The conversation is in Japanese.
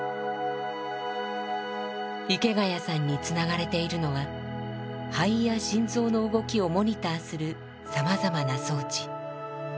池谷さんにつながれているのは肺や心臓の動きをモニターするさまざまな装置。